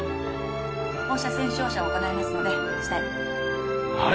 放射線照射を行いますので下へはい